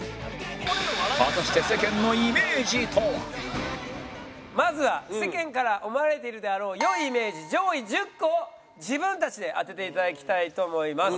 果たしてまずは世間から思われているであろう良いイメージ上位１０個を自分たちで当てて頂きたいと思います。